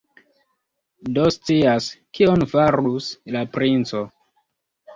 Dio scias, kion farus la princo!